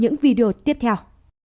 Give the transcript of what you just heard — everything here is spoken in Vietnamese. những video tiếp theo